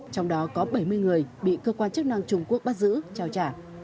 trong đó có bảy mươi người bị cơ quan chức năng trung quốc bắt giữ trao trả